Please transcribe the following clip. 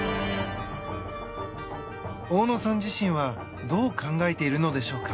大野さん自身はどう考えているのでしょうか。